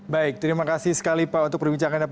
baik terima kasih sekali pak untuk perbincangannya